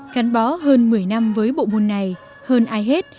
gắn bó hơn một mươi năm với bộ môn này hơn ai hết